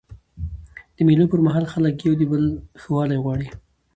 د مېلو پر مهال خلک د یو بل ښه والی غواړي.